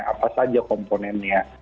apa saja komponennya